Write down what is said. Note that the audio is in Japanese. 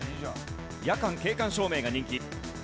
夜間景観照明が人気。